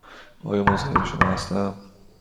آیا مزاحم شما هستم؟